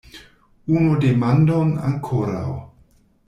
Unu demandon ankoraŭ.